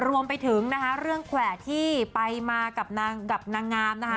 รวมไปถึงนะคะเรื่องแขวะที่ไปมากับนางกับนางงามนะคะ